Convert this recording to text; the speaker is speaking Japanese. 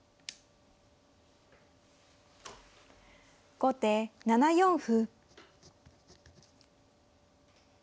後手７四歩。